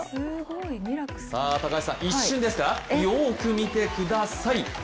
高橋さん、一瞬ですからよく見てください。